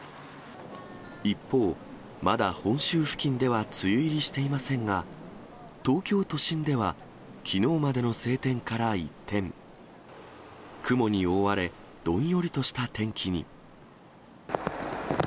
一方、まだ本州付近では梅雨入りしていませんが、東京都心では、きのうまでの晴天から一転、雲に覆われ、どんよりとした天気に。